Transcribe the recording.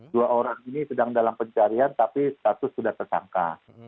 dua orang ini sedang dalam pencarian tapi status sudah tersangka